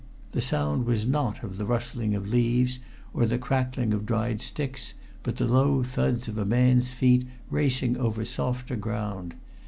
The sound was not of the rustling of leaves or the crackling of dried sticks, but the low thuds of a man's feet racing over softer ground.